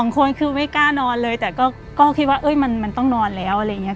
คนคือไม่กล้านอนเลยแต่ก็คิดว่ามันต้องนอนแล้วอะไรอย่างนี้